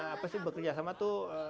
apa sih bekerjasama tuh